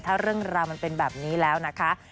ถ้าเรื่องราวมันเป็นแบบนี้แล้วนะคะ